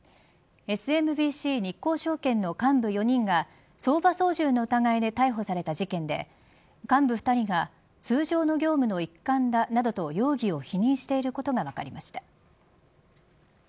ＳＭＢＣ日興証券の幹部４人が相場操縦の疑いで逮捕された事件で幹部２人が通常の業務の一環だなどと容疑を否認していることが分かりました。